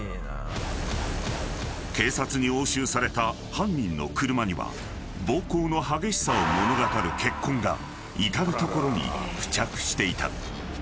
［警察に押収された犯人の車には暴行の激しさを物語る血痕が至る所に付着していた］